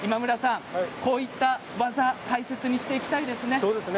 こういった技大切にしていきたいですね。